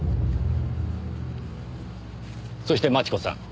そして真智子さん。